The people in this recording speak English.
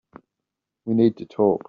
We need to talk.